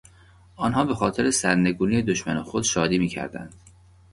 آنها بخاطر سرنگونی دشمن خود شادی میکردند.